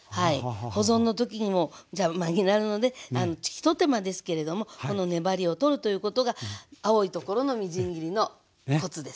保存の時にも邪魔になるので一手間ですけれどもこの粘りを取るということが青いところのみじん切りのコツです。